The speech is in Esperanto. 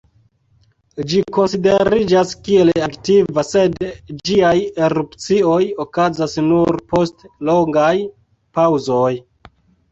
Ĝi konsideriĝas kiel aktiva, sed ĝiaj erupcioj okazas nur post longaj paŭzoj.